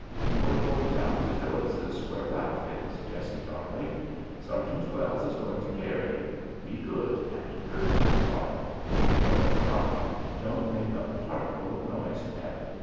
"You are going down to Phillips's where Ralph is, Jessie, darling. Sergeant Wells is going to carry you. Be good and perfectly quiet. Don't cry, don't make a particle of noise, pet.